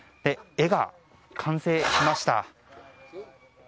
絵が完成しました。